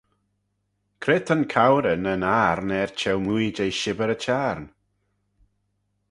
Cre ta'n cowrey ny'n ayrn er çheu-mooie jeh shibbyr y çhiarn?